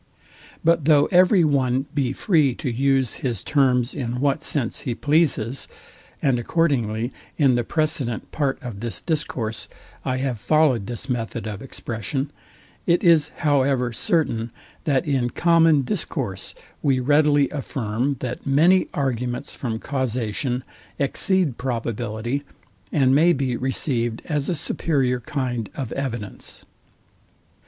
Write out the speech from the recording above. But though every one be free to use his terms in what sense he pleases; and accordingly in the precedent part of this discourse, I have followed this method of expression; it is however certain, that in common discourse we readily affirm, that many arguments from causation exceed probability, and may be received as a superior kind of evidence.